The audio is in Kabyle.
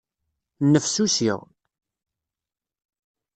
Nnefsusiɣ.